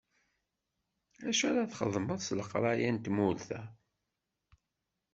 Acu ara txedmeḍ s leqraya n tmurt-a?